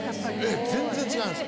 全然違います。